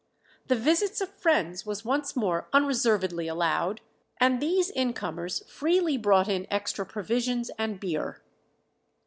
The visits of friends was once more unreservedly allowed, and these incomers freely brought in extra provisions and beer.